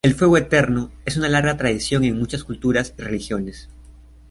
El fuego eterno es una larga tradición en muchas culturas y religiones.